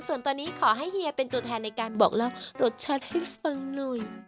ส่วนตอนนี้ขอให้เฮียเป็นตัวแทนในการบอกเล่ารสชาติให้ฟังหน่อย